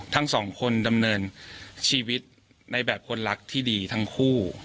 ทั้งสองคนดำเนินชีวิตในแบบคนรักที่ดีทั้งคู่